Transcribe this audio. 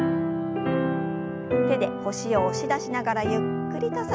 手で腰を押し出しながらゆっくりと反らせます。